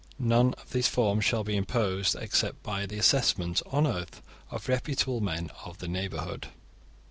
None of these fines shall be imposed except by the assessment on oath of reputable men of the neighbourhood.